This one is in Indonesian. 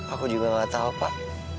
aku juga gak tahu pak